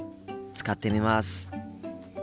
使ってみます。